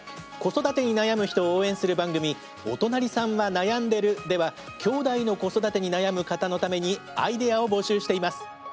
子育てに悩む人を応援する番組「おとなりさんはなやんでる。」ではきょうだいの子育てに悩む方のためにアイデアを募集しています。